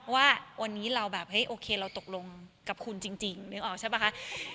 ว่าวันนี้เราแบบเฮ้ยโอเคเราตกลงกับคุณจริงนึกออกใช่ป่ะคะ